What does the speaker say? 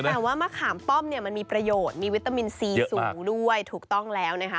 แต่ว่ามะขามป้อมมันมีประโยชน์มีวิตามินซีสูทุกต้องแล้วนะคะ